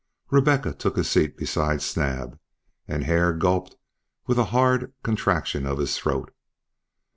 Rebecca took the seat beside Snap, and Hare gulped with a hard contraction of his throat.